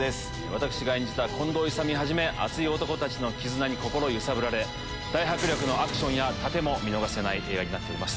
私が演じた近藤勇はじめ熱い男たちの絆に心揺さぶられ大迫力のアクションや殺陣も見逃せない映画になっております。